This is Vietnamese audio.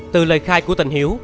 từ lời khai của tên hiếu